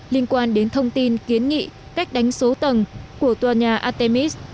liên quan đến thông tin kiến nghị cách đánh số tầng của tòa nhà artemis